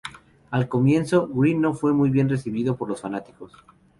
Al comienzo, Green no fue muy bien recibido por los fanáticos.